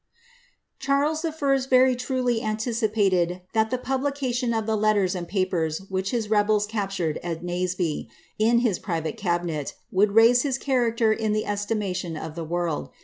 Charles I. very truly anticipated that the publication of the letters i papers which his rebels captured at Naseby, in his private cabinet, wodi raise his character in the estimation of the world.